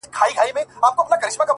ملاکه چي په زړه کي په وا وا ده-